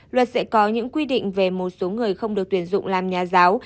luật sẽ có những quy định về một số người không được tuyển dụng làm nhà giáo